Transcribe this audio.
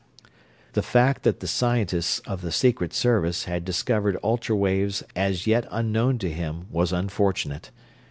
The fact that the scientists of the Secret Service had discovered ultra waves as yet unknown to him was unfortunate.